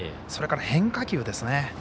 それから変化球ですね。